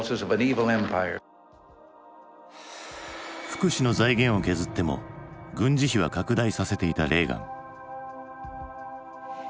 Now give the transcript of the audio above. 福祉の財源を削っても軍事費は拡大させていたレーガン。